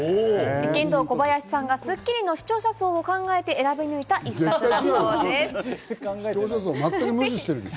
ケンドーコバヤシさんが『スッキリ』の視聴者層を考えて選び抜いた１冊だそうです。